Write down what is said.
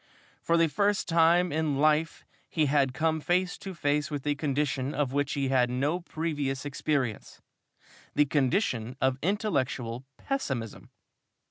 For the first time in life he had come face to face with a condition of which he had had no previous experience the condition of intellectual pessimism.